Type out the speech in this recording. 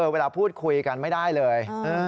เวลาพูดคุยกันไม่ได้เลย